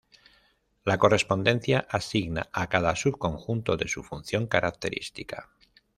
La correspondencia asigna a cada subconjunto de su función característica.